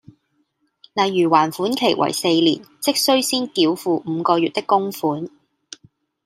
例如還款期為四年，即需先繳付五個月的供款